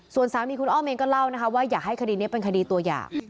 ส่วนสามีคุณอ้อมเองก็เล่านะคะว่าอยากให้คดีนี้เป็นคดีตัวอย่าง